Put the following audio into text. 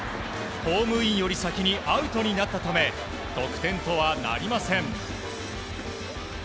ホームインよりも先にアウトになったため得点とはなりません。